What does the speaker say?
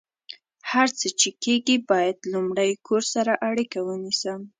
هر څه چې کیږي، باید لمړۍ کور سره اړیکه ونیسم